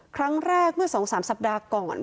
ครั้งแรกเมื่อ๒๓สัปดาห์ก่อน